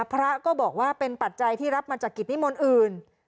พระก็บอกว่าเป็นปัจจัยที่รับมาจากกิจนิมนต์อื่น